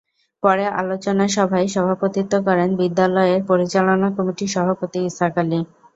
পরে আলোচনা সভায় সভাপতিত্ব করেন বিদ্যালয়ের পরিচালনা কমিটির সভাপতি ইসহাক আলী।